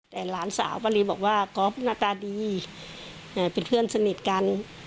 แต่หลานสาวป้ารีบอกว่าก๊อฟหน้าตาดีเป็นเพื่อนสนิทกัน